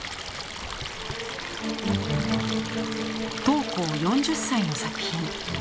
桃紅４０歳の作品。